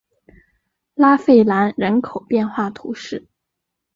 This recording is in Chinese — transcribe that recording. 拉费兰人口变化图示